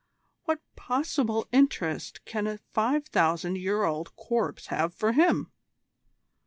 What possible interest can a five thousand year old corpse have for him?"